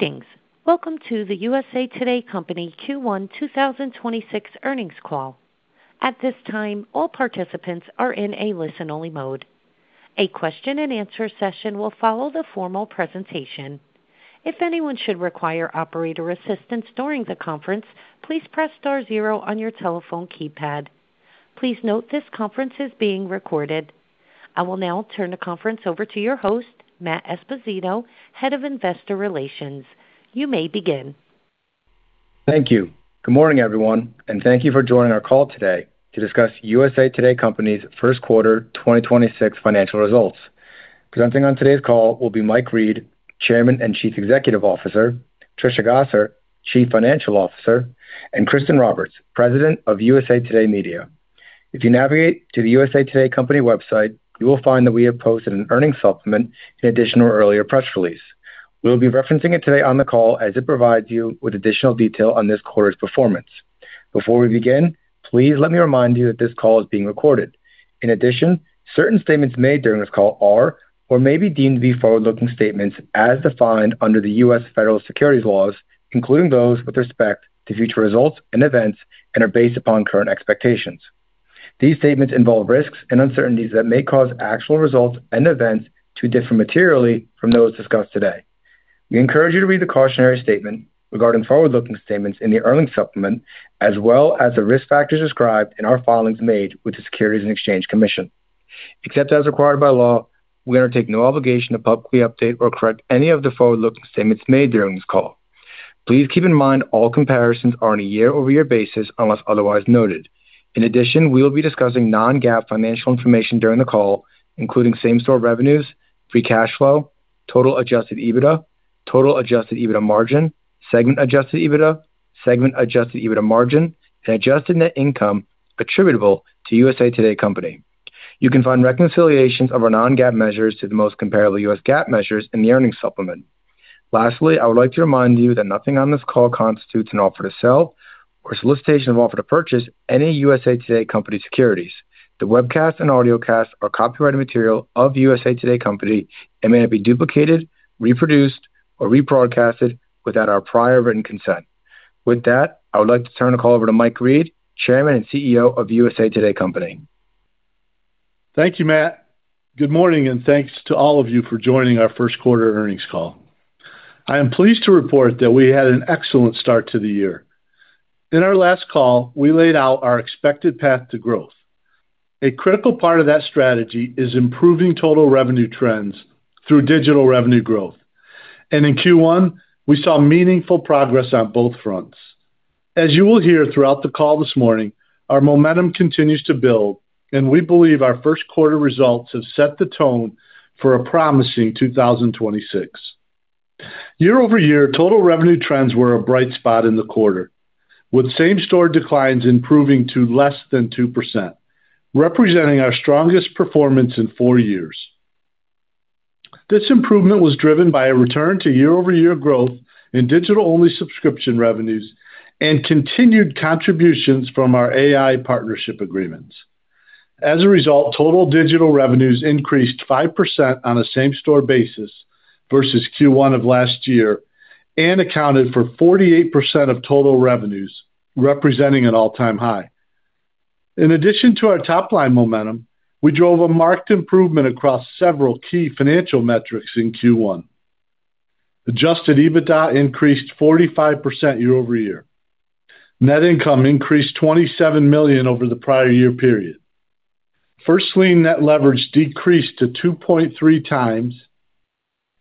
Greetings. Welcome to the USA TODAY Company Q1 2026 earnings call. At this time, all participants are in a listen-only mode. A question-and-answer session will follow the formal presentation. If anyone should require operator assistance during the conference, please press star zero on your telephone keypad. Please note this conference is being recorded. I will now turn the conference over to your host, Matt Esposito, Head of Investor Relations. You may begin. Thank you. Good morning, everyone, and thank you for joining our call today to discuss USA TODAY Company's first quarter 2026 financial results. Presenting on today's call will be Mike Reed, Chairman and Chief Executive Officer, Trisha Gosser, Chief Financial Officer, and Kristin Roberts, President of USA TODAY Media. If you navigate to the USA TODAY Company website, you will find that we have posted an earnings supplement in addition to our earlier press release. We'll be referencing it today on the call as it provides you with additional detail on this quarter's performance. Before we begin, please let me remind you that this call is being recorded. Certain statements made during this call are or may be deemed to be forward-looking statements as defined under the U.S. Federal Securities Laws, including those with respect to future results and events and are based upon current expectations. These statements involve risks and uncertainties that may cause actual results and events to differ materially from those discussed today. We encourage you to read the cautionary statement regarding forward-looking statements in the earnings supplement, as well as the risk factors described in our filings made with the Securities and Exchange Commission. Except as required by law, we undertake no obligation to publicly update or correct any of the forward-looking statements made during this call. Please keep in mind all comparisons are on a year-over-year basis, unless otherwise noted. In addition, we will be discussing non-GAAP financial information during the call, including same-store revenues, free cash flow, total adjusted EBITDA, total adjusted EBITDA margin, segment adjusted EBITDA, segment adjusted EBITDA margin, and adjusted net income attributable to USA TODAY company. You can find reconciliations of our non-GAAP measures to the most comparable US GAAP measures in the earnings supplement. Lastly, I would like to remind you that nothing on this call constitutes an offer to sell or solicitation of an offer to purchase any USA TODAY Company securities. The webcast and audiocast are copyrighted material of USA TODAY Company and may not be duplicated, reproduced, or rebroadcasted without our prior written consent. With that, I would like to turn the call over to Mike Reed, Chairman and CEO of USA TODAY Company. Thank you, Matt. Good morning, and thanks to all of you for joining our first quarter earnings call. I am pleased to report that we had an excellent start to the year. In our last call, we laid out our expected path to growth. A critical part of that strategy is improving total revenue trends through digital revenue growth, and in Q1, we saw meaningful progress on both fronts. As you will hear throughout the call this morning, our momentum continues to build, and we believe our first quarter results have set the tone for a promising 2026. Year-over-year total revenue trends were a bright spot in the quarter, with same-store declines improving to less than 2%, representing our strongest performance in four years. This improvement was driven by a return to year-over-year growth in digital-only subscription revenues and continued contributions from our AI partnership agreements. As a result, total digital revenues increased 5% on a same-store basis versus Q1 of last year and accounted for 48% of total revenues, representing an all-time high. In addition to our top-line momentum, we drove a marked improvement across several key financial metrics in Q1. Adjusted EBITDA increased 45% year-over-year. Net income increased $27 million over the prior year period. First lien net leverage decreased to 2.3 times,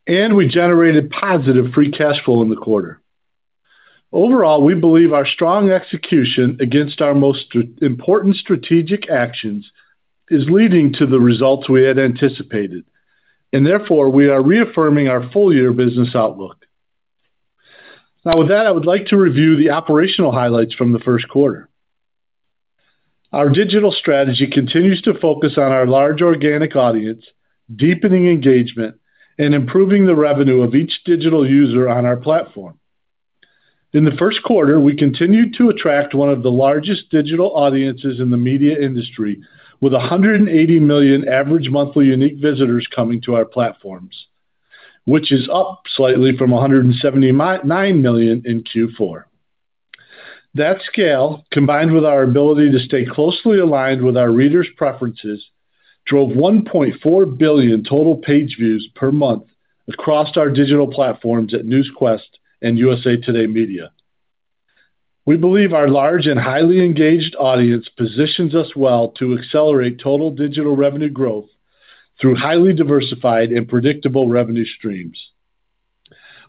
and we generated positive free cash flow in the quarter. Overall, we believe our strong execution against our most important strategic actions is leading to the results we had anticipated, and therefore, we are reaffirming our full-year business outlook. With that, I would like to review the operational highlights from the first quarter. Our digital strategy continues to focus on our large organic audience, deepening engagement, and improving the revenue of each digital user on our platform. In the first quarter, we continued to attract one of the largest digital audiences in the media industry with 180 million average monthly unique visitors coming to our platforms, which is up slightly from 179 million in Q4. That scale, combined with our ability to stay closely aligned with our readers' preferences, drove 1.4 billion total page views per month across our digital platforms at Newsquest and USA TODAY Media. We believe our large and highly engaged audience positions us well to accelerate total digital revenue growth through highly diversified and predictable revenue streams.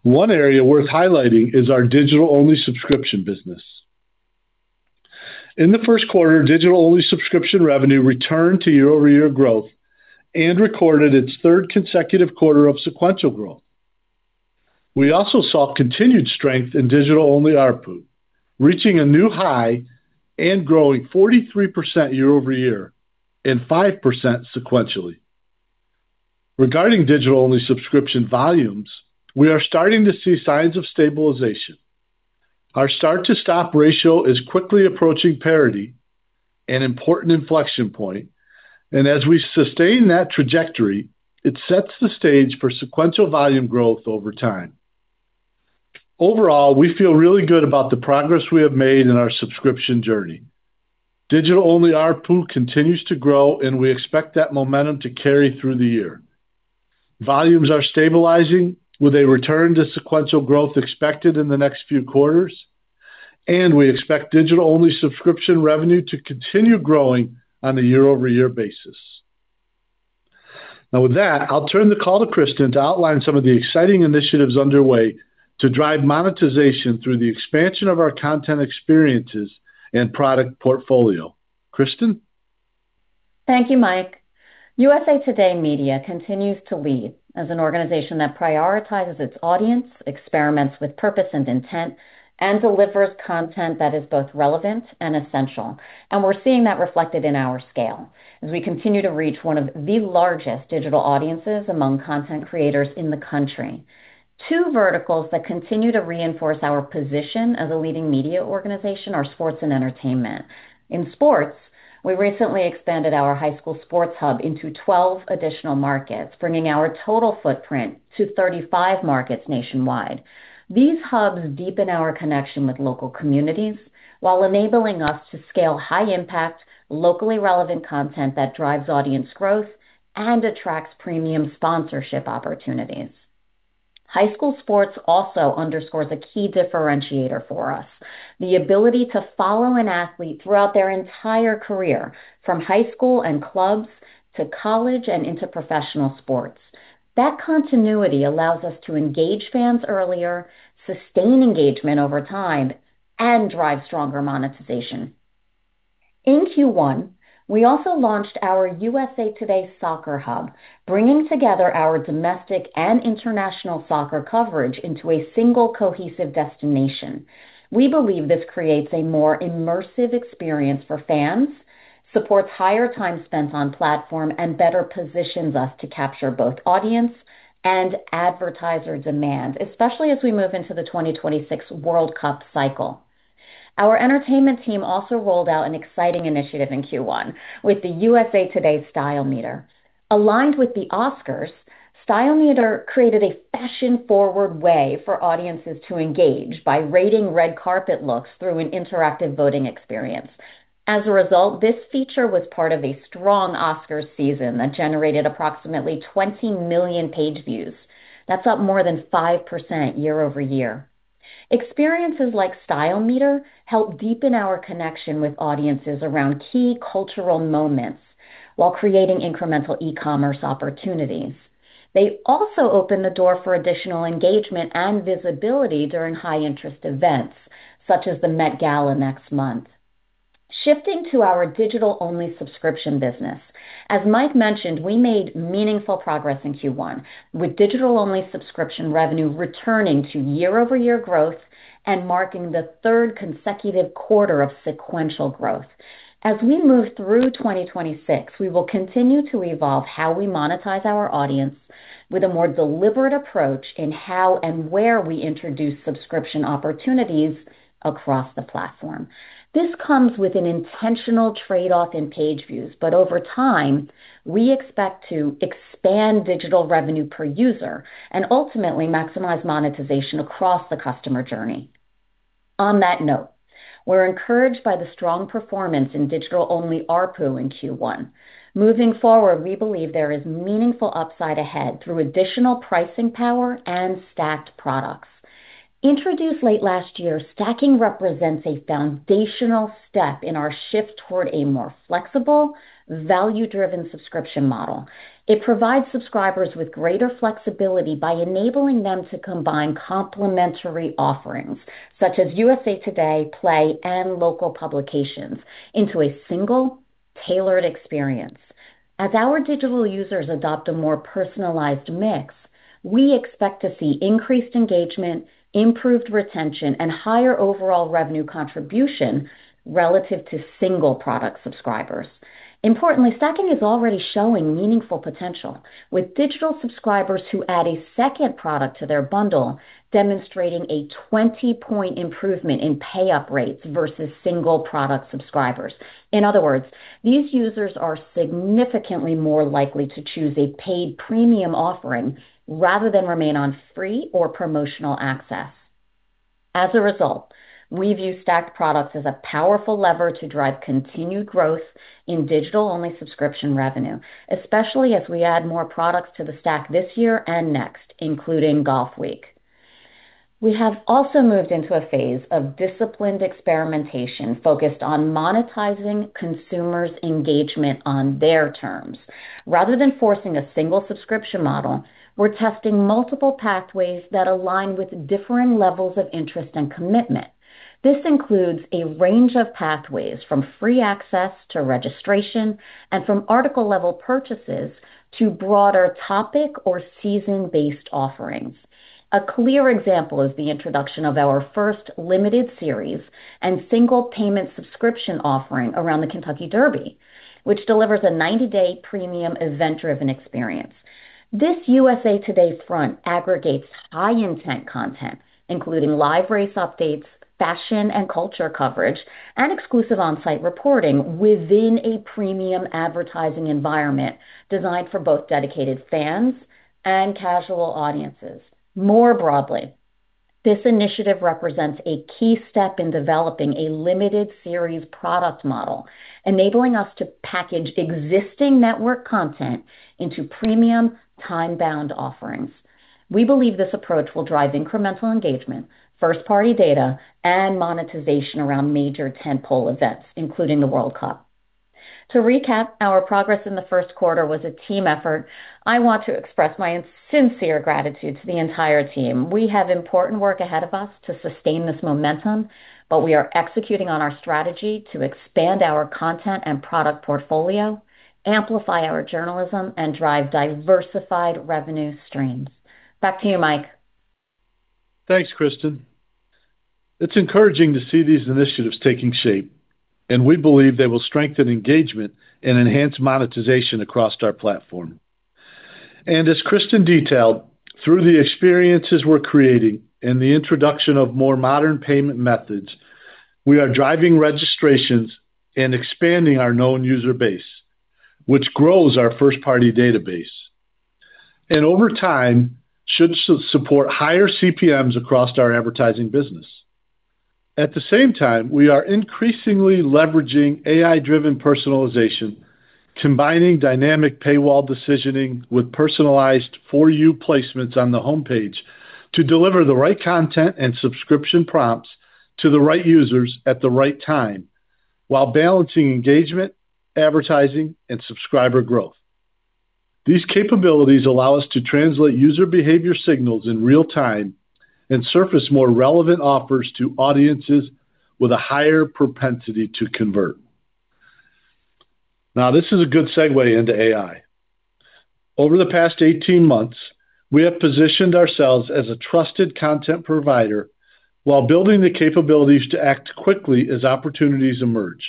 One area worth highlighting is our digital-only subscription business. In the first quarter, digital-only subscription revenue returned to year-over-year growth and recorded its third consecutive quarter of sequential growth. We also saw continued strength in digital-only ARPU, reaching a new high and growing 43% year-over-year and 5% sequentially. Regarding digital-only subscription volumes, we are starting to see signs of stabilization. Our start-to-stop ratio is quickly approaching parity, an important inflection point. As we sustain that trajectory, it sets the stage for sequential volume growth over time. Overall, we feel really good about the progress we have made in our subscription journey. Digital-only ARPU continues to grow, and we expect that momentum to carry through the year. Volumes are stabilizing, with a return to sequential growth expected in the next few quarters, and we expect digital-only subscription revenue to continue growing on a year-over-year basis. With that, I'll turn the call to Kristin to outline some of the exciting initiatives underway to drive monetization through the expansion of our content experiences and product portfolio. Kristin? Thank you, Mike. USA TODAY Media continues to lead as an organization that prioritizes its audience, experiments with purpose and intent, and delivers content that is both relevant and essential. We're seeing that reflected in our scale as we continue to reach one of the largest digital audiences among content creators in the country. Two verticals that continue to reinforce our position as a leading media organization are sports and entertainment. In sports, we recently expanded our high school sports hub into 12 additional markets, bringing our total footprint to 35 markets nationwide. These hubs deepen our connection with local communities while enabling us to scale high-impact, locally relevant content that drives audience growth and attracts premium sponsorship opportunities. High school sports also underscores a key differentiator for us, the ability to follow an athlete throughout their entire career, from high school and clubs to college and into professional sports. That continuity allows us to engage fans earlier, sustain engagement over time, and drive stronger monetization. In Q1, we also launched our USA TODAY Soccer hub, bringing together our domestic and international soccer coverage into a single cohesive destination. We believe this creates a more immersive experience for fans, supports higher time spent on platform, and better positions us to capture both audience and advertiser demand, especially as we move into the 2026 FIFA World Cup cycle. Our entertainment team also rolled out an exciting initiative in Q1 with the USA TODAY Style Meter. Aligned with the Oscars, Style Meter created a fashion-forward way for audiences to engage by rating red carpet looks through an an interactive voting experience. As a result, this feature was part of a strong Oscars season that generated approximately 20 million page views. That's up more than 5% year-over-year. Experiences like Style Meter help deepen our connection with audiences around key cultural moments while creating incremental e-commerce opportunities. They also open the door for additional engagement and visibility during high-interest events, such as the Met Gala next month. Shifting to our digital-only subscription business. As Mike mentioned, we made meaningful progress in Q1, with digital-only subscription revenue returning to year-over-year growth and marking the third consecutive quarter of sequential growth. As we move through 2026, we will continue to evolve how we monetize our audience with a more deliberate approach in how and where we introduce subscription opportunities across the platform. This comes with an intentional trade-off in page views, but over time, we expect to expand digital revenue per user and ultimately maximize monetization across the customer journey. On that note, we're encouraged by the strong performance in digital-only ARPU in Q1. Moving forward, we believe there is meaningful upside ahead through additional pricing power and stacked products. Introduced late last year, stacking represents a foundational step in our shift toward a more flexible, value-driven subscription model. It provides subscribers with greater flexibility by enabling them to combine complementary offerings, such as USA TODAY, Play, and local publications into a single tailored experience. As our digital users adopt a more personalized mix, we expect to see increased engagement, improved retention, and higher overall revenue contribution relative to single product subscribers. Importantly, stacking is already showing meaningful potential, with digital subscribers who add a second product to their bundle demonstrating a 20-point improvement in pay-up rates versus single product subscribers. In other words, these users are significantly more likely to choose a paid premium offering rather than remain on free or promotional access. As a result, we view stacked products as a powerful lever to drive continued growth in digital-only subscription revenue, especially as we add more products to the stack this year and next, including Golfweek. We have also moved into a phase of disciplined experimentation focused on monetizing consumers' engagement on their terms. Rather than forcing a single subscription model, we're testing multiple pathways that align with differing levels of interest and commitment. This includes a range of pathways from free access to registration. From article level purchases to broader topic or season-based offerings. A clear example is the introduction of our first limited series and single payment subscription offering around the Kentucky Derby, which delivers a 90-day premium event-driven experience. This USA TODAY front aggregates high intent content, including live race updates, fashion and culture coverage, and exclusive on-site reporting within a premium advertising environment designed for both dedicated fans and casual audiences. More broadly, this initiative represents a key step in developing a limited series product model, enabling us to package existing network content into premium time-bound offerings. We believe this approach will drive incremental engagement, first-party data, and monetization around major tentpole events, including the World Cup. To recap, our progress in the first quarter was a team effort. I want to express my sincere gratitude to the entire team. We have important work ahead of us to sustain this momentum, but we are executing on our strategy to expand our content and product portfolio, amplify our journalism, and drive diversified revenue streams. Back to you, Mike. Thanks, Kristin. It's encouraging to see these initiatives taking shape, and we believe they will strengthen engagement and enhance monetization across our platform. As Kristin detailed, through the experiences we're creating and the introduction of more modern payment methods, we are driving registrations and expanding our known user base, which grows our first-party database, and over time, should support higher CPMs across our advertising business. At the same time, we are increasingly leveraging AI-driven personalization, combining dynamic paywall decisioning with personalized for you placements on the homepage to deliver the right content and subscription prompts to the right users at the right time, while balancing engagement, advertising, and subscriber growth. These capabilities allow us to translate user behavior signals in real time and surface more relevant offers to audiences with a higher propensity to convert. This is a good segue into AI. Over the past 18 months, we have positioned ourselves as a trusted content provider while building the capabilities to act quickly as opportunities emerge.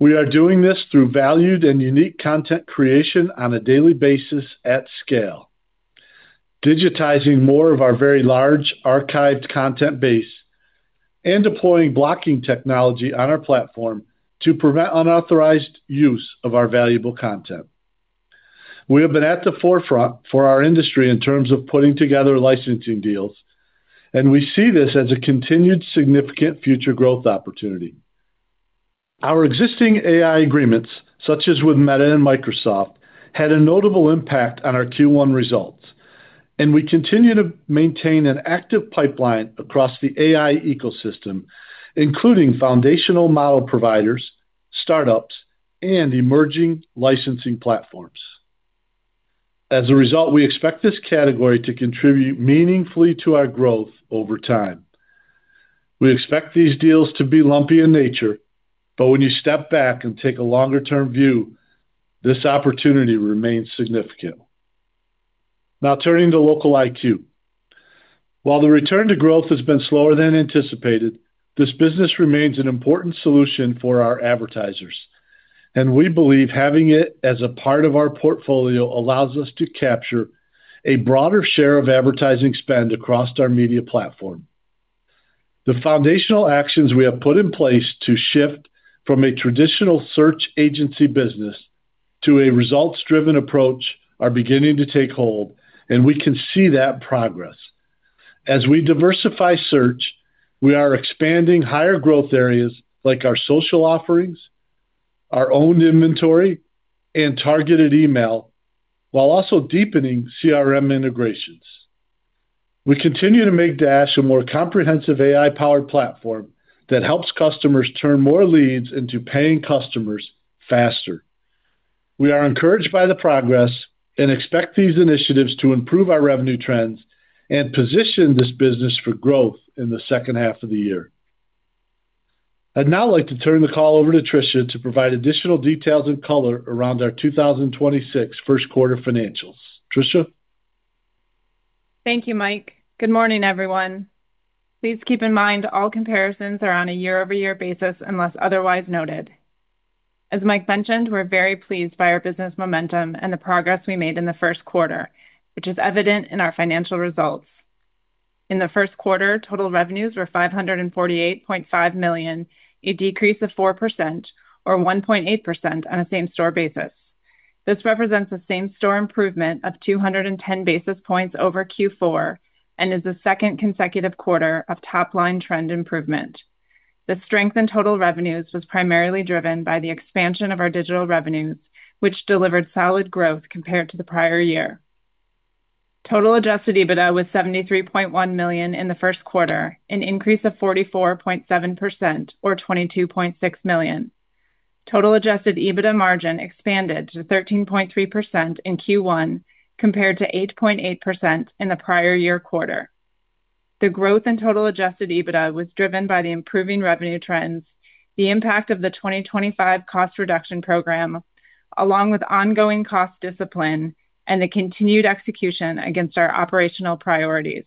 We are doing this through valued and unique content creation on a daily basis at scale, digitizing more of our very large archived content base, and deploying blocking technology on our platform to prevent unauthorized use of our valuable content. We have been at the forefront for our industry in terms of putting together licensing deals, and we see this as a continued significant future growth opportunity. Our existing AI agreements, such as with Meta and Microsoft, had a notable impact on our Q1 results, and we continue to maintain an active pipeline across the AI ecosystem, including foundational model providers, startups, and emerging licensing platforms. As a result, we expect this category to contribute meaningfully to our growth over time. We expect these deals to be lumpy in nature. When you step back and take a longer-term view, this opportunity remains significant. Turning to LocaliQ. While the return to growth has been slower than anticipated, this business remains an important solution for our advertisers, and we believe having it as a part of our portfolio allows us to capture a broader share of advertising spend across our media platform. The foundational actions we have put in place to shift from a traditional search agency business to a results-driven approach are beginning to take hold, and we can see that progress. As we diversify search, we are expanding higher growth areas like our social offerings, our own inventory, and targeted email, while also deepening CRM integrations. We continue to make Dash a more comprehensive AI-powered platform that helps customers turn more leads into paying customers faster. We are encouraged by the progress and expect these initiatives to improve our revenue trends and position this business for growth in the second half of the year. I'd now like to turn the call over to Trisha to provide additional details and color around our 2026 first quarter financials. Trisha? Thank you, Mike. Good morning, everyone. Please keep in mind all comparisons are on a year-over-year basis unless otherwise noted. As Mike mentioned, we're very pleased by our business momentum and the progress we made in the first quarter, which is evident in our financial results. In the first quarter, total revenues were $548.5 million, a decrease of 4% or 1.8% on a same-store basis. This represents a same-store improvement of 210 basis points over Q4 and is the second consecutive quarter of top-line trend improvement. The strength in total revenues was primarily driven by the expansion of our digital revenues, which delivered solid growth compared to the prior year. Total adjusted EBITDA was $73.1 million in the first quarter, an increase of 44.7% or $22.6 million. Total adjusted EBITDA margin expanded to 13.3% in Q1 compared to 8.8% in the prior year quarter. The growth in total adjusted EBITDA was driven by the improving revenue trends, the impact of the 2025 cost reduction program, along with ongoing cost discipline and the continued execution against our operational priorities.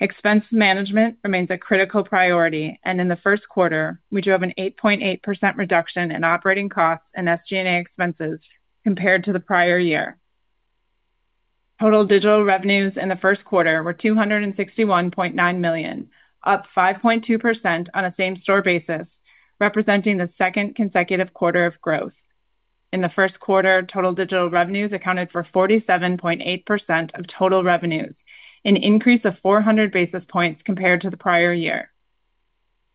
Expense management remains a critical priority. In the first quarter, we drove an 8.8% reduction in operating costs and SG&A expenses compared to the prior year. Total digital revenues in the first quarter were $261.9 million, up 5.2% on a same-store basis, representing the second consecutive quarter of growth. In the first quarter, total digital revenues accounted for 47.8% of total revenues, an increase of 400 basis points compared to the prior year.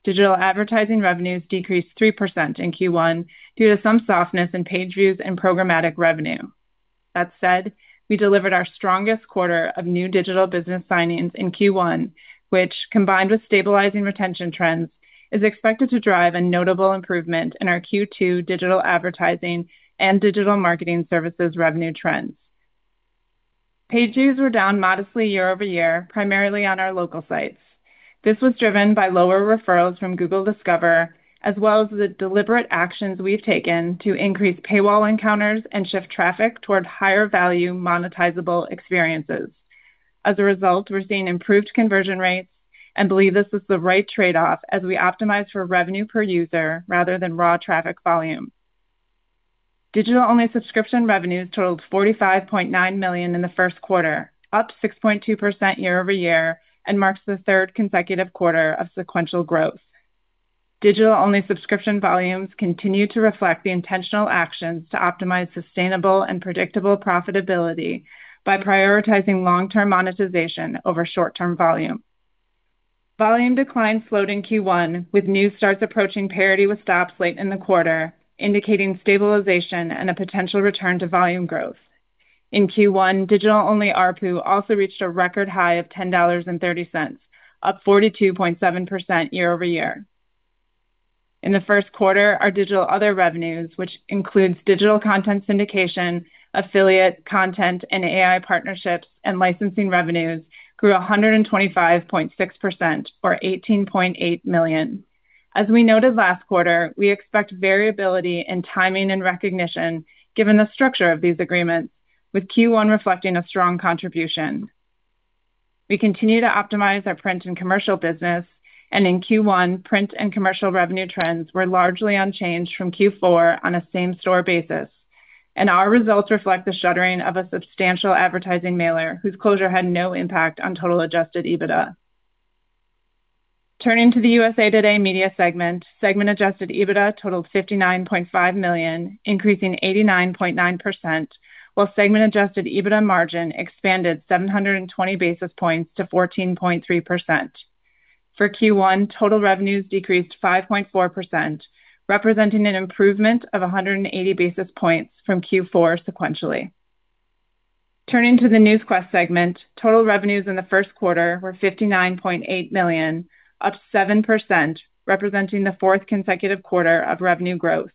Digital advertising revenues decreased 3% in Q1 due to some softness in page views and programmatic revenue. That said, we delivered our strongest quarter of new digital business signings in Q1, which, combined with stabilizing retention trends, is expected to drive a notable improvement in our Q2 digital advertising and digital marketing services revenue trends. Page views were down modestly year-over-year, primarily on our local sites. This was driven by lower referrals from Google Discover, as well as the deliberate actions we've taken to increase paywall encounters and shift traffic towards higher value monetizable experiences. As a result, we're seeing improved conversion rates and believe this is the right trade-off as we optimize for revenue per user rather than raw traffic volume. Digital-only subscription revenues totaled $45.9 million in the first quarter, up 6.2% year-over-year, and marks the third consecutive quarter of sequential growth. Digital-only subscription volumes continue to reflect the intentional actions to optimize sustainable and predictable profitability by prioritizing long-term monetization over short-term volume. Volume declines slowed in Q1, with new starts approaching parity with stops late in the quarter, indicating stabilization and a potential return to volume growth. In Q1, digital-only ARPU also reached a record high of $10.30, up 42.7% year-over-year. In the first quarter, our digital other revenues, which includes digital content syndication, affiliate content, and AI partnerships and licensing revenues, grew 125.6% for $18.8 million. As we noted last quarter, we expect variability in timing and recognition given the structure of these agreements, with Q1 reflecting a strong contribution. We continue to optimize our print and commercial business, and in Q1, print and commercial revenue trends were largely unchanged from Q4 on a same-store basis. Our results reflect the shuttering of a substantial advertising mailer whose closure had no impact on total adjusted EBITDA. Turning to the USA TODAY Media segment adjusted EBITDA totaled $59.5 million, increasing 89.9%, while segment adjusted EBITDA margin expanded 720 basis points to 14.3%. For Q1, total revenues decreased 5.4%, representing an improvement of 180 basis points from Q4 sequentially. Turning to the Newsquest segment, total revenues in the first quarter were $59.8 million, up 7%, representing the fourth consecutive quarter of revenue growth.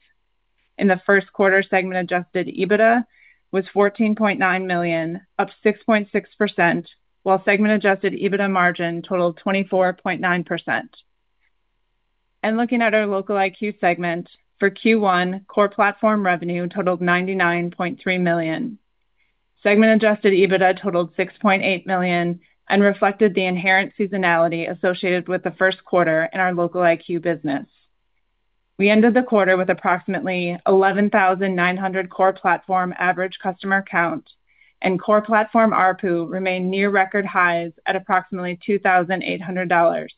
In the first quarter, segment adjusted EBITDA was $14.9 million, up 6.6%, while segment adjusted EBITDA margin totaled 24.9%. Looking at our LocaliQ segment, for Q1, core platform revenue totaled $99.3 million. Segment adjusted EBITDA totaled $6.8 million and reflected the inherent seasonality associated with the first quarter in our LocaliQ business. We ended the quarter with approximately 11,900 core platform average customer count, and core platform ARPU remained near record highs at approximately $2,800.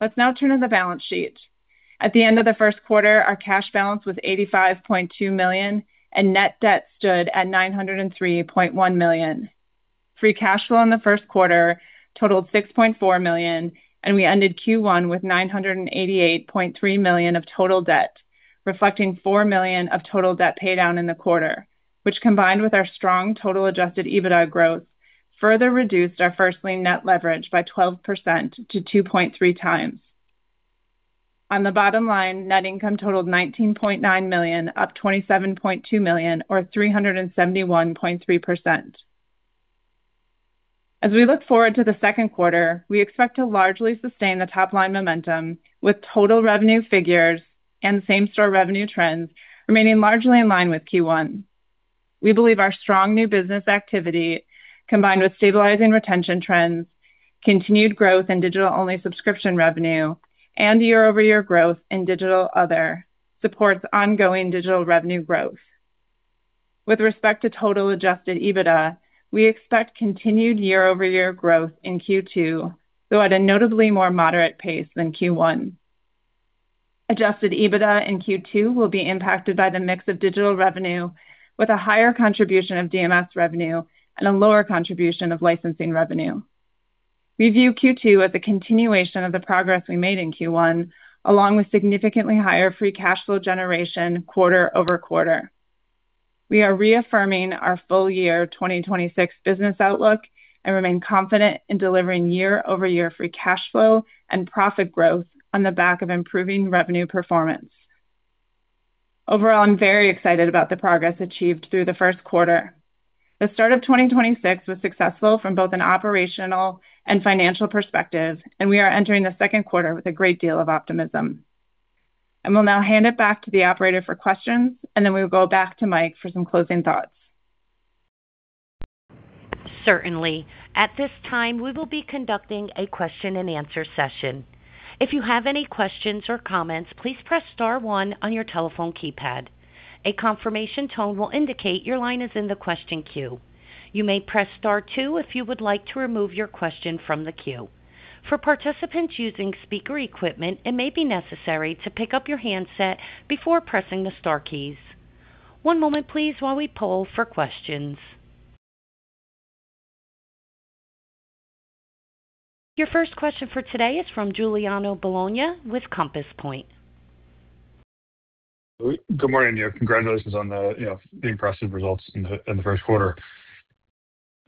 Let's now turn to the balance sheet. At the end of the first quarter, our cash balance was $85.2 million, and net debt stood at $903.1 million. Free cash flow in the first quarter totaled $6.4 million, and we ended Q1 with $988.3 million of total debt, reflecting $4 million of total debt paydown in the quarter, which combined with our strong total adjusted EBITDA growth, further reduced our first lien net leverage by 12% to 2.3 times. On the bottom line, net income totaled $19.9 million, up $27.2 million, or 371.3%. As we look forward to the second quarter, we expect to largely sustain the top-line momentum with total revenue figures and same-store revenue trends remaining largely in line with Q1. We believe our strong new business activity, combined with stabilizing retention trends, continued growth in digital-only subscription revenue, and year-over-year growth in digital other, supports ongoing digital revenue growth. With respect to total adjusted EBITDA, we expect continued year-over-year growth in Q2, though at a notably more moderate pace than Q1. Adjusted EBITDA in Q2 will be impacted by the mix of digital revenue with a higher contribution of DMS revenue and a lower contribution of licensing revenue. We view Q2 as a continuation of the progress we made in Q1, along with significantly higher free cash flow generation quarter-over-quarter. We are reaffirming our full year 2026 business outlook and remain confident in delivering year-over-year free cash flow and profit growth on the back of improving revenue performance. Overall, I'm very excited about the progress achieved through the first quarter. The start of 2026 was successful from both an operational and financial perspective, and we are entering the second quarter with a great deal of optimism. I will now hand it back to the operator for questions, and then we will go back to Mike for some closing thoughts. Certainly. At this time, we will be conducting a question-and-answer session. If you have any questions or comments, please press star one on your telephone keypad. A confirmation tone will indicate your line is in the question queue. You may press star two if you would like to remove your question from the queue. For participants using speaker equipment, it may be necessary to pick up your handset before pressing the star keys. One moment please while we poll for questions. Your first question for today is from Giuliano Bologna with Compass Point. Good morning. Yeah, congratulations on the, you know, the impressive results in the first quarter.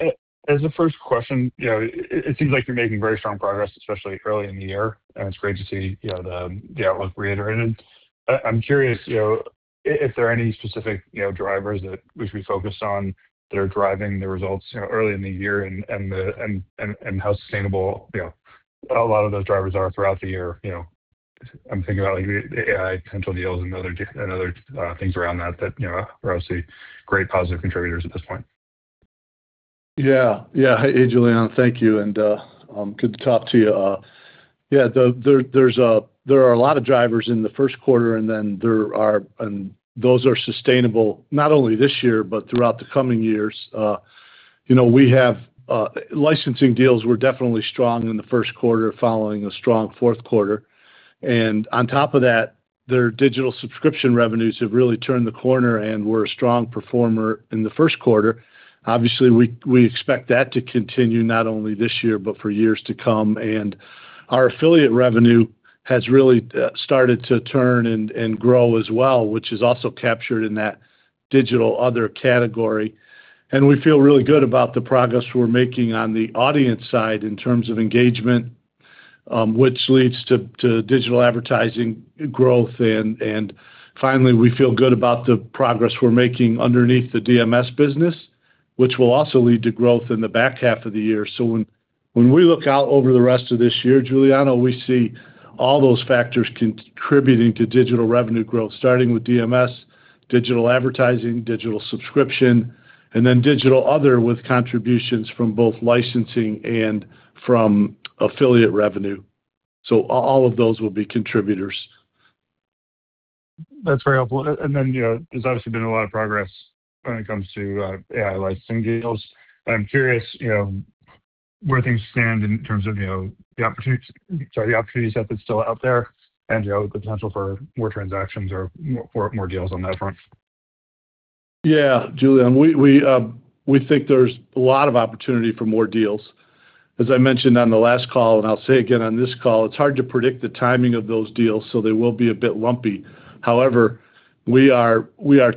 As a first question, you know, it seems like you're making very strong progress, especially early in the year, and it's great to see, you know, the outlook reiterated. I'm curious, you know, if there are any specific, you know, drivers that we focused on that are driving the results, you know, early in the year and how sustainable, you know, a lot of those drivers are throughout the year? You know, I'm thinking about like the AI potential deals and other things around that, you know, are obviously great positive contributors at this point. Yeah. Yeah. Hey, Giuliano. Thank you, and good to talk to you. Yeah, there are a lot of drivers in the first quarter, and then there are. Those are sustainable not only this year, but throughout the coming years. You know, we have licensing deals were definitely strong in the first quarter following a strong fourth quarter. On top of that, their digital subscription revenues have really turned the corner and were a strong performer in the first quarter. Obviously, we expect that to continue not only this year, but for years to come. Our affiliate revenue has really started to turn and grow as well, which is also captured in that digital other category. We feel really good about the progress we're making on the audience side in terms of engagement, which leads to digital advertising growth. Finally, we feel good about the progress we're making underneath the DMS business, which will also lead to growth in the back half of the year. When we look out over the rest of this year, Giuliano, we see all those factors contributing to digital revenue growth, starting with DMS, digital advertising, digital subscription, and then digital other with contributions from both licensing and from affiliate revenue. All of those will be contributors. That's very helpful. You know, there's obviously been a lot of progress when it comes to AI licensing deals. I'm curious, you know, where things stand in terms of, you know, the opportunity set that's still out there and, you know, the potential for more transactions or more deals on that front? Yeah. Giuliano, we think there's a lot of opportunity for more deals. As I mentioned on the last call, and I'll say again on this call, it's hard to predict the timing of those deals, so they will be a bit lumpy. However, we are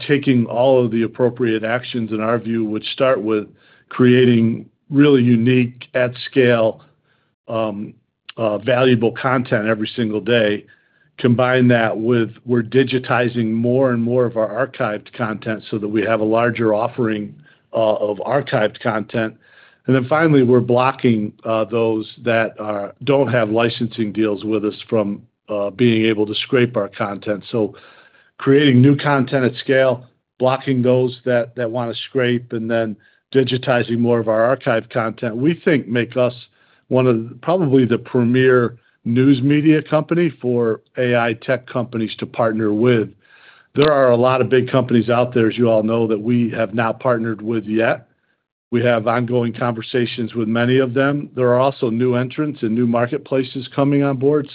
taking all of the appropriate actions in our view, which start with creating really unique at scale, valuable content every single day. Combine that with we're digitizing more and more of our archived content so that we have a larger offering of archived content. Finally, we're blocking those that don't have licensing deals with us from being able to scrape our content. Creating new content at scale, blocking those that want to scrape, and then digitizing more of our archive content, we think make us one of probably the premier news media company for AI-tech companies to partner with. There are a lot of big companies out there, as you all know, that we have not partnered with yet. We have ongoing conversations with many of them. There are also new entrants and new marketplaces coming on board.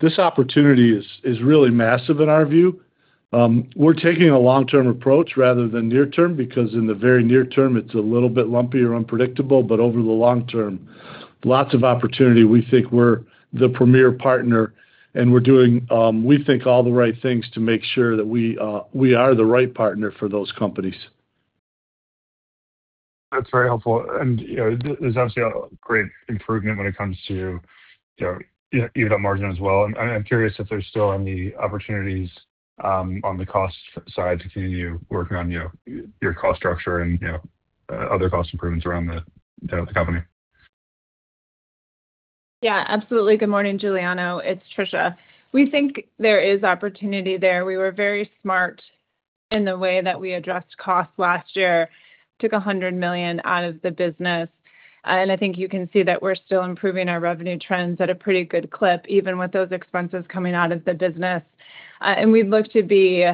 This opportunity is really massive in our view. We're taking a long-term approach rather than near-term because in the very near-term it's a little bit lumpy or unpredictable. Over the long-term, lots of opportunity. We think we're the premier partner, and we're doing, we think, all the right things to make sure that we are the right partner for those companies. That's very helpful. You know, there's obviously a great improvement when it comes to, you know, EBITDA margin as well. I'm curious if there's still any opportunities on the cost side to continue working on, you know, your cost structure and, you know, other cost improvements around the, you know, the company? Yeah, absolutely. Good morning, Giuliano. It's Trisha. We think there is opportunity there. We were very smart in the way that we addressed costs last year. Took $100 million out of the business. I think you can see that we're still improving our revenue trends at a pretty good clip, even with those expenses coming out of the business. We look to be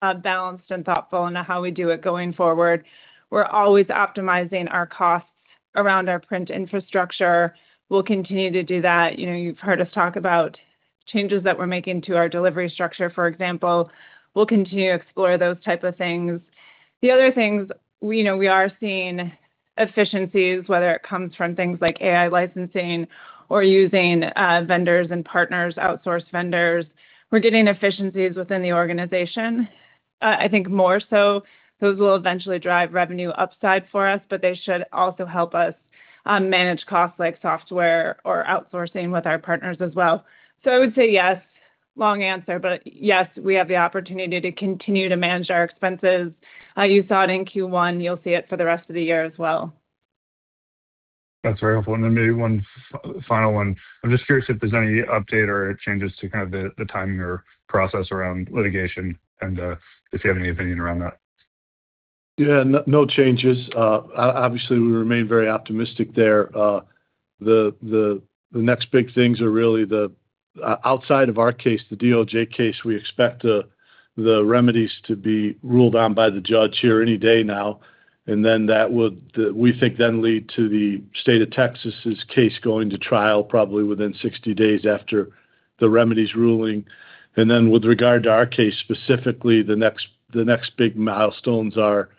balanced and thoughtful in how we do it going forward. We're always optimizing our costs around our print infrastructure. We'll continue to do that. You know, you've heard us talk about changes that we're making to our delivery structure, for example. We'll continue to explore those type of things. The other things, you know, we are seeing efficiencies, whether it comes from things like AI licensing or using vendors and partners, outsource vendors. We're getting efficiencies within the organization. I think more so those will eventually drive revenue upside for us, but they should also help us manage costs like software or outsourcing with our partners as well. I would say yes. Long answer, but yes, we have the opportunity to continue to manage our expenses. You saw it in Q1, you'll see it for the rest of the year as well. That's very helpful. Then maybe one final one. I'm just curious if there's any update or changes to kind of the timing or process around litigation and if you have any opinion around that? Yeah, no changes. Obviously, we remain very optimistic there. The next big things are really the outside of our case, the DOJ case, we expect the remedies to be ruled on by the judge here any day now. That would, we think then lead to the State of Texas's case going to trial probably within 60 days after the remedies ruling. With regard to our case specifically, the next big milestones are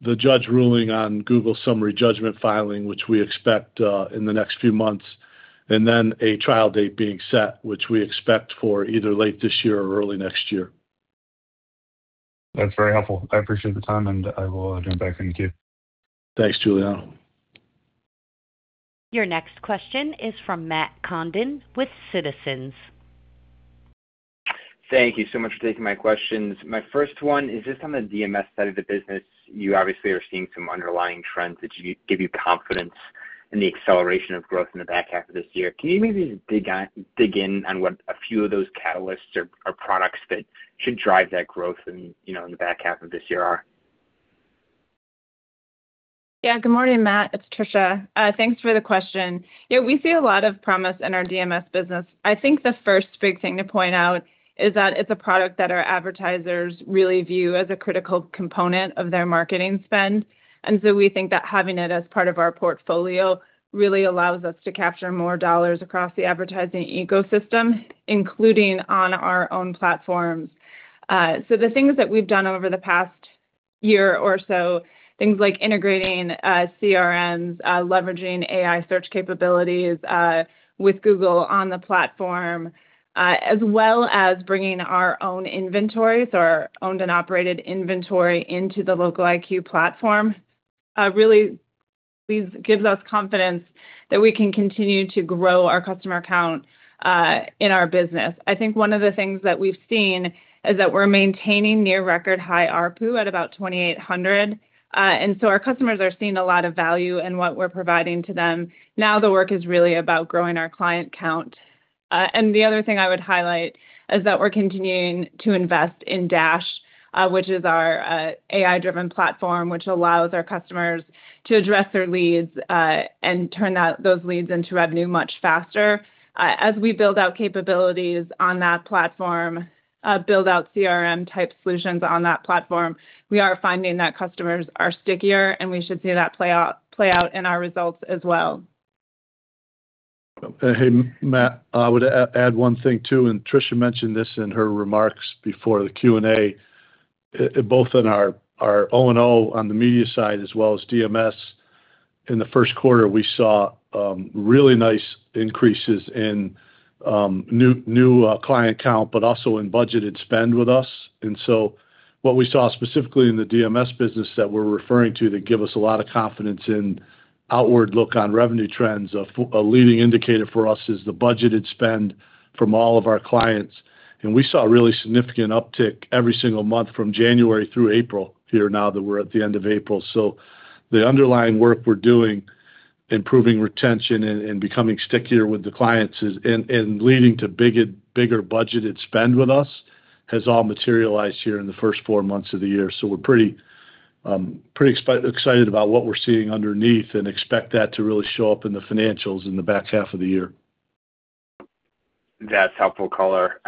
the judge ruling on Google summary judgment filing, which we expect in the next few months, and then a trial date being set, which we expect for either late this year or early next year. That's very helpful. I appreciate the time, and I will jump back in the queue. Thanks, Giuliano. Your next question is from Matt Condon with Citizens. Thank you so much for taking my questions. My first one is just on the DMS side of the business. You obviously are seeing some underlying trends that give you confidence in the acceleration of growth in the back half of this year. Can you maybe just dig in on what a few of those catalysts or products that should drive that growth in, you know, in the back half of this year are? Good morning, Matt. It's Trisha. Thanks for the question. We see a lot of promise in our DMS business. I think the first big thing to point out is that it's a product that our advertisers really view as a critical component of their marketing spend. We think that having it as part of our portfolio really allows us to capture more dollars across the advertising ecosystem, including on our own platforms. The things that we've done over the past year or so, things like integrating CRMs, leveraging AI search capabilities with Google on the platform, as well as bringing our own inventories or owned and operated inventory into the LocaliQ platform, really gives us confidence that we can continue to grow our customer count in our business. I think one of the things that we've seen is that we're maintaining near record high ARPU at about $2,800. Our customers are seeing a lot of value in what we're providing to them. Now the work is really about growing our client count. The other thing I would highlight is that we're continuing to invest in Dash, which is our AI-driven platform, which allows our customers to address their leads and turn those leads into revenue much faster. As we build out capabilities on that platform, build out CRM-type solutions on that platform, we are finding that customers are stickier, and we should see that play out in our results as well. Hey, Matt, I would add one thing too. Trisha mentioned this in her remarks before the Q&A. Both in our O&O on the media side as well as DMS, in the first quarter, we saw really nice increases in new client count, but also in budgeted spend with us. What we saw specifically in the DMS business that we're referring to that give us a lot of confidence in outward look on revenue trends of a leading indicator for us is the budgeted spend from all of our clients. We saw a really significant uptick every single month from January through April here now that we're at the end of April. The underlying work we're doing, improving retention and becoming stickier with the clients, and leading to bigger budgeted spend with us, has all materialized here in the first four months of the year. We're pretty excited about what we're seeing underneath and expect that to really show up in the financials in the back half of the year. That's helpful color.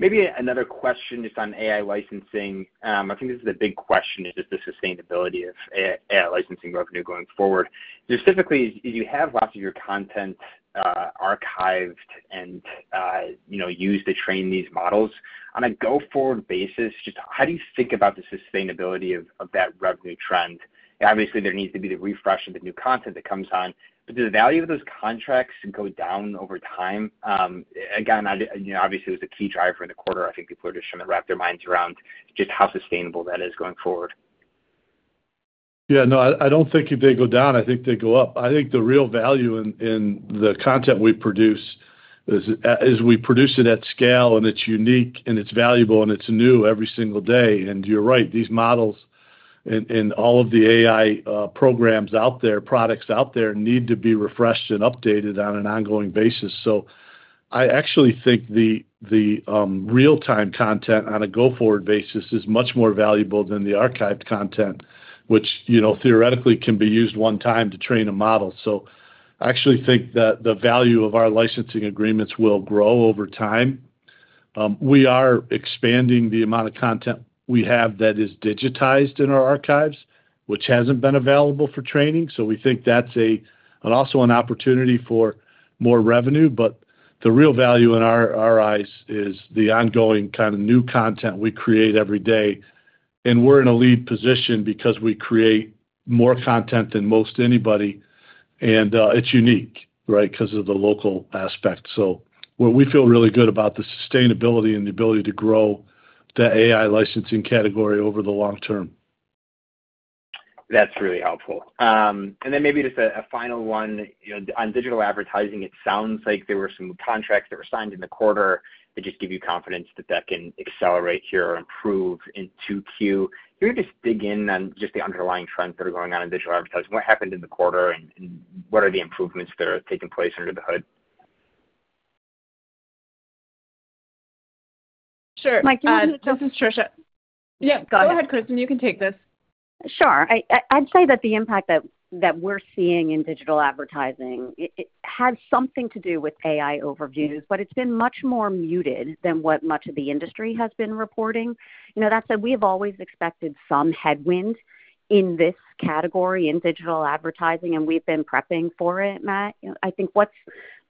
Maybe another question just on AI licensing. I think this is the big question is just the sustainability of AI licensing revenue going forward. Just typically, you have lots of your content archived and, you know, used to train these models. On a go-forward basis, just how do you think about the sustainability of that revenue trend? Obviously, there needs to be the refresh of the new content that comes on. Do the value of those contracts go down over time? Again, I, you know, obviously, it was a key driver in the quarter. I think people are just trying to wrap their minds around just how sustainable that is going forward. No, I don't think they go down. I think they go up. I think the real value in the content we produce is we produce it at scale, and it's unique, and it's valuable, and it's new every single day. You're right, these models and all of the AI programs out there, products out there need to be refreshed and updated on an ongoing basis. I actually think the real-time content on a go-forward basis is much more valuable than the archived content, which, you know, theoretically can be used one time to train a model. I actually think that the value of our licensing agreements will grow over time. We are expanding the amount of content we have that is digitized in our archives, which hasn't been available for training. We think that's a, and also an opportunity for more revenue. The real value in our eyes is the ongoing kind of new content we create every day. And we're in a lead position because we create more content than most anybody, and it's unique, right? Because of the local aspect. What we feel really good about the sustainability and the ability to grow the AI licensing category over the long-term. That's really helpful. Then maybe just a final one. You know, on digital advertising, it sounds like there were some contracts that were signed in the quarter that just give you confidence that can accelerate here or improve in 2Q. Can you just dig in on just the underlying trends that are going on in digital advertising? What happened in the quarter and what are the improvements that are taking place under the hood? Sure. Mike, this is Trisha. Yeah. Go ahead, Kristin. You can take this. Sure. I'd say that the impact that we're seeing in digital advertising, it had something to do with AI Overviews, but it's been much more muted than what much of the industry has been reporting. You know, that said, we have always expected some headwind in this category, in digital advertising, and we've been prepping for it, Matt. You know, I think what's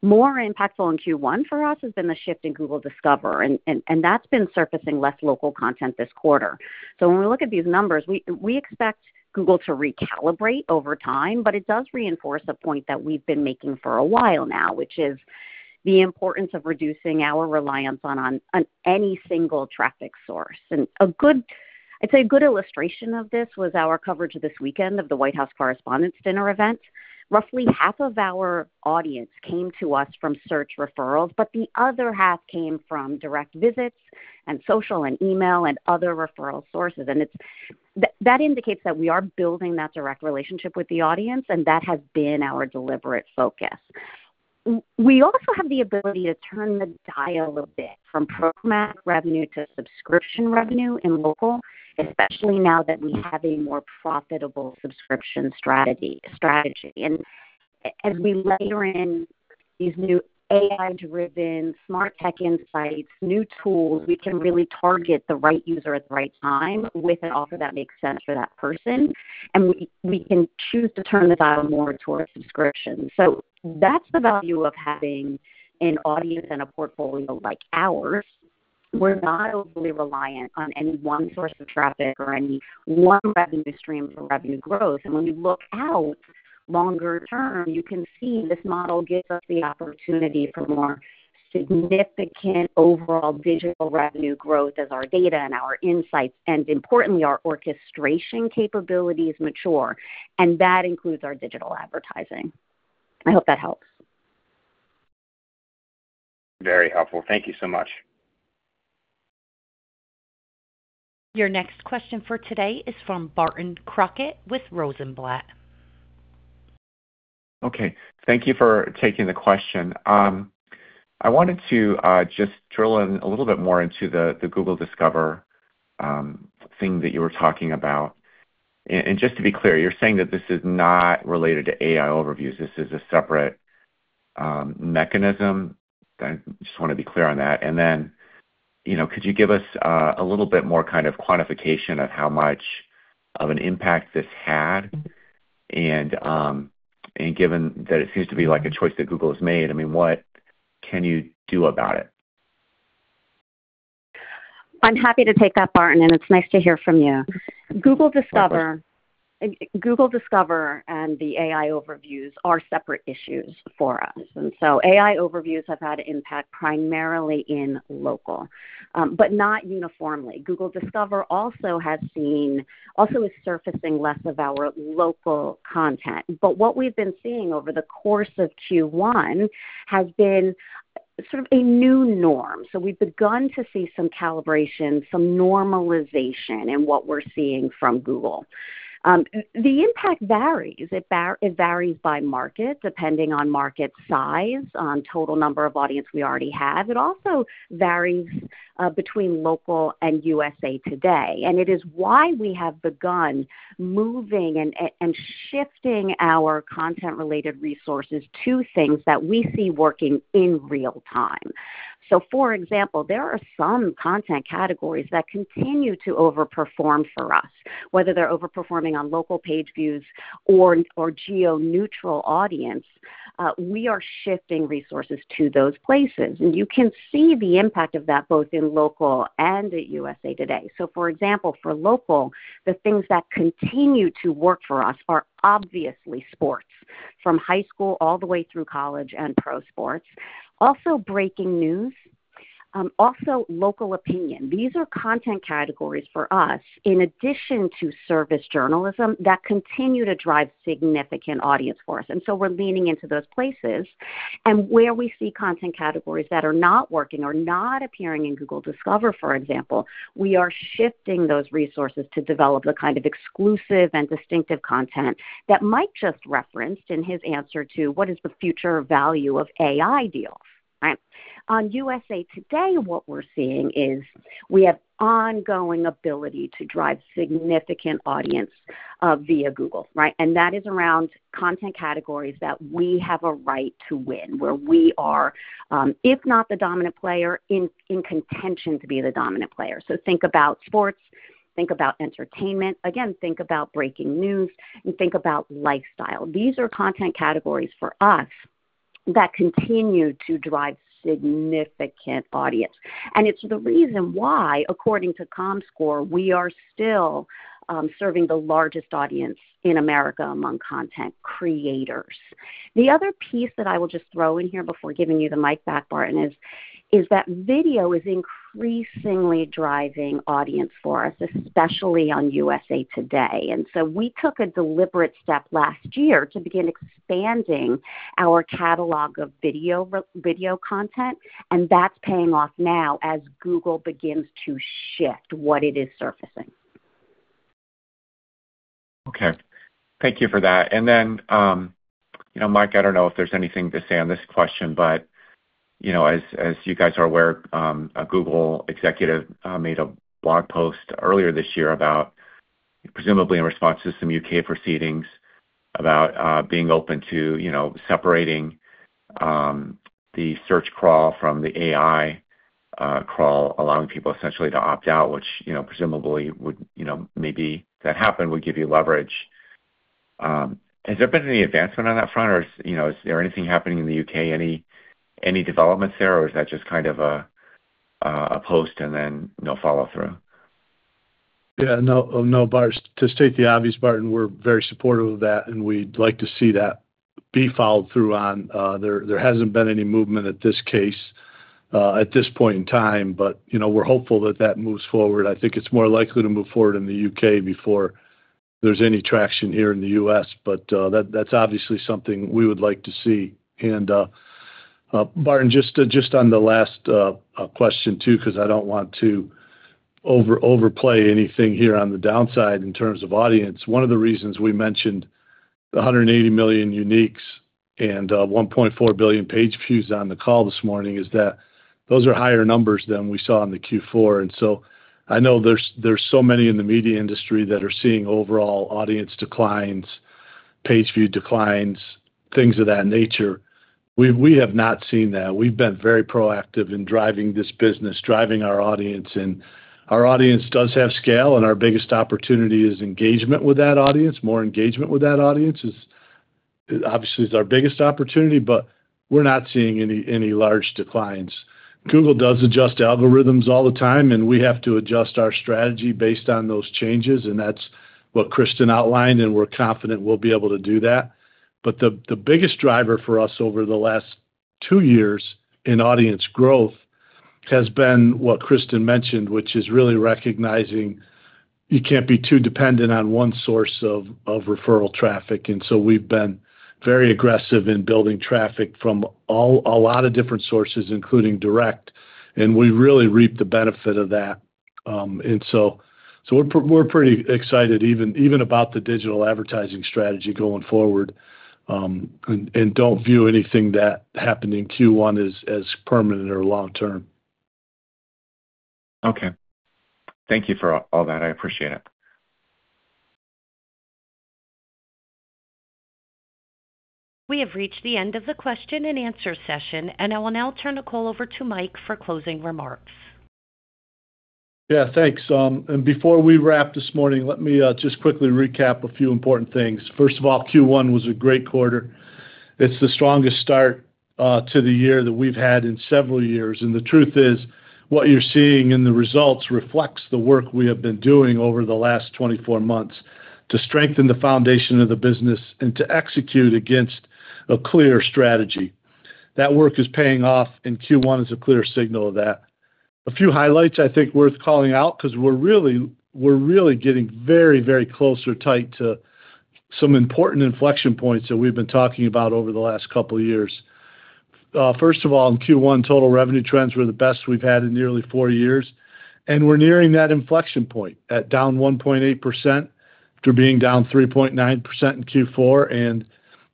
more impactful in Q1 for us has been the shift in Google Discover and that's been surfacing less local content this quarter. When we look at these numbers, we expect Google to recalibrate over time, but it does reinforce a point that we've been making for a while now, which is the importance of reducing our reliance on any single traffic source. A good, I'd say a good illustration of this was our coverage this weekend of the White House Correspondents' Dinner event. Roughly half of our audience came to us from search referrals, the other half came from direct visits and social and email and other referral sources. That indicates that we are building that direct relationship with the audience, and that has been our deliberate focus. We also have the ability to turn the dial a bit from programmatic revenue to subscription revenue in local, especially now that we have a more profitable subscription strategy. As we layer in these new AI-driven smart tech insights, new tools, we can really target the right user at the right time with an offer that makes sense for that person, and we can choose to turn the dial more towards subscription. That's the value of having an audience and a portfolio like ours. We're not overly reliant on any one source of traffic or any one revenue stream for revenue growth. When we look out longer term, you can see this model gives us the opportunity for more significant overall digital revenue growth as our data and our insights, and importantly, our orchestration capabilities mature. That includes our digital advertising. I hope that helps. Very helpful. Thank you so much. Your next question for today is from Barton Crockett with Rosenblatt. Okay. Thank you for taking the question. I wanted to just drill in a little bit more into the Google Discover thing that you were talking about. Just to be clear, you're saying that this is not related to AI Overviews, this is a separate mechanism? I just wanna be clear on that. You know, could you give us a little bit more kind of quantification of how much of an impact this had? Given that it seems to be like a choice that Google has made, I mean, what can you do about it? I'm happy to take that, Barton. It's nice to hear from you. Okay. Google Discover and the AI Overviews are separate issues for us. AI Overviews have had impact primarily in local, but not uniformly. Google Discover also is surfacing less of our local content. What we've been seeing over the course of Q1 has been sort of a new norm. We've begun to see some calibration, some normalization in what we're seeing from Google. The impact varies. It varies by market, depending on market size, on total number of audience we already have. It also varies between local and USA TODAY, and it is why we have begun moving and shifting our content-related resources to things that we see working in real time. For example, there are some content categories that continue to overperform for us, whether they're overperforming on local page views or geo-neutral audience. We are shifting resources to those places, and you can see the impact of that both in local and at USA TODAY. For example, for local, the things that continue to work for us are obviously sports, from high school all the way through college and pro sports. Also breaking news, also local opinion. These are content categories for us, in addition to service journalism, that continue to drive significant audience for us. We're leaning into those places. Where we see content categories that are not working or not appearing in Google Discover, for example, we are shifting those resources to develop the kind of exclusive and distinctive content that Mike just referenced in his answer to what is the future value of AI deals, right? On USA TODAY, what we're seeing is we have ongoing ability to drive significant audience via Google, right? That is around content categories that we have a right to win, where we are, if not the dominant player, in contention to be the dominant player. Think about sports, think about entertainment. Again, think about breaking news and think about lifestyle. These are content categories for us that continue to drive significant audience. It's the reason why, according to Comscore, we are still serving the largest audience in America among content creators. The other piece that I will just throw in here before giving you the mic back, Barton, is that video is increasingly driving audience for us, especially on USA TODAY. We took a deliberate step last year to begin expanding our catalog of video content. That's paying off now as Google begins to shift what it is surfacing. Okay. Thank you for that. Then, you know, Mike, I don't know if there's anything to say on this question, but, you know, as you guys are aware, a Google executive made a blog post earlier this year about, presumably in response to some U.K. proceedings, about being open to, you know, separating the search crawl from the AI crawl, allowing people essentially to opt out, which, you know, presumably would, you know, maybe if that happened, would give you leverage. Has there been any advancement on that front or, you know, is there anything happening in the U.K., any developments there, or is that just kind of a post and then no follow-through? No, no, Barton. To state the obvious, Barton, we're very supportive of that, we'd like to see that be followed through on. There hasn't been any movement at this case, at this point in time, you know, we're hopeful that that moves forward. I think it's more likely to move forward in the U.K. before there's any traction here in the U.S., that's obviously something we would like to see. Barton, just on the last question too, 'cause I don't want to overplay anything here on the downside in terms of audience. One of the reasons we mentioned the 180 million uniques and 1.4 billion page views on the call this morning is that those are higher numbers than we saw in Q4. I know there's so many in the media industry that are seeing overall audience declines, page view declines, things of that nature. We have not seen that. We've been very proactive in driving this business, driving our audience, and our audience does have scale, and our biggest opportunity is engagement with that audience. More engagement with that audience is obviously is our biggest opportunity, but we're not seeing any large declines. Google does adjust algorithms all the time, and we have to adjust our strategy based on those changes, and that's what Kristin outlined, and we're confident we'll be able to do that. The biggest driver for us over the last two years in audience growth has been what Kristin mentioned, which is really recognizing you can't be too dependent on one source of referral traffic. We've been very aggressive in building traffic from a lot of different sources, including direct, and we really reap the benefit of that. So we're pretty excited even about the digital advertising strategy going forward, and don't view anything that happened in Q1 as permanent or long-term. Okay. Thank you for all that. I appreciate it. We have reached the end of the question-and-answer session, and I will now turn the call over to Mike for closing remarks. Yeah, thanks. Before we wrap this morning, let me just quickly recap a few important things. First of all, Q1 was a great quarter. It's the strongest start to the year that we've had in several years. The truth is, what you're seeing in the results reflects the work we have been doing over the last 24 months to strengthen the foundation of the business and to execute against a clear strategy. That work is paying off. Q1 is a clear signal of that. A few highlights I think worth calling out, 'cause we're really getting very close or tight to some important inflection points that we've been talking about over the last couple of years. First of all, in Q1, total revenue trends were the best we've had in nearly four years, and we're nearing that inflection point at down 1.8% after being down 3.9% in Q4 and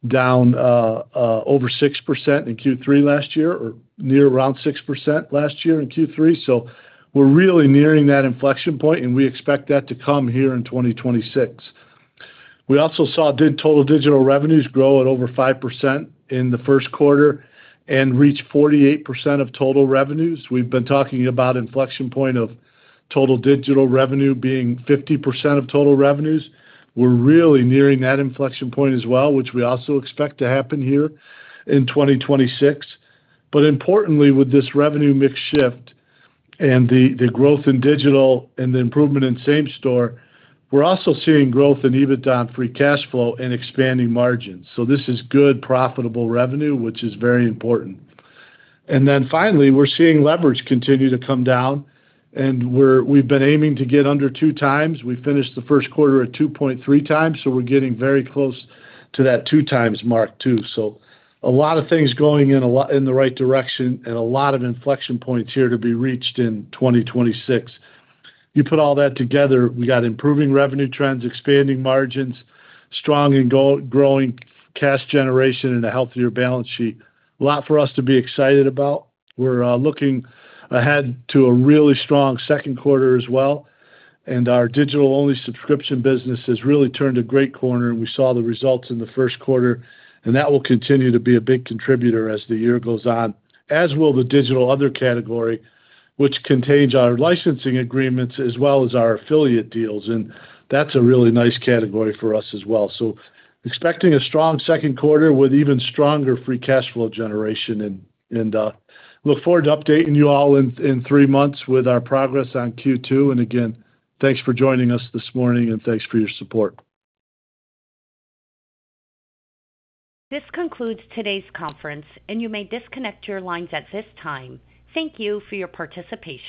down over 6% in Q3 last year, or near around 6% last year in Q3. We're really nearing that inflection point, and we expect that to come here in 2026. We also saw total digital revenues grow at over 5% in the first quarter and reach 48% of total revenues. We've been talking about inflection point of total digital revenue being 50% of total revenues. We're really nearing that inflection point as well, which we also expect to happen here in 2026. Importantly, with this revenue mix shift and the growth in digital and the improvement in same-store, we're also seeing growth in EBITDA and free cash flow and expanding margins. This is good, profitable revenue, which is very important. Finally, we're seeing leverage continue to come down, and we've been aiming to get under 2 times. We finished the first quarter at 2.3 times, so we're getting very close to that 2 times mark too. A lot of things going in the right direction and a lot of inflection points here to be reached in 2026. You put all that together, we got improving revenue trends, expanding margins, strong and growing cash generation, and a healthier balance sheet. A lot for us to be excited about. We're looking ahead to a really strong second quarter as well. Our digital-only subscription business has really turned a great corner, and we saw the results in the first quarter. That will continue to be a big contributor as the year goes on, as will the digital other category, which contains our licensing agreements as well as our affiliate deals. That's a really nice category for us as well. Expecting a strong second quarter with even stronger free cash flow generation and look forward to updating you all in three months with our progress on Q2. Again, thanks for joining us this morning and thanks for your support. This concludes today's conference, and you may disconnect your lines at this time. Thank you for your participation.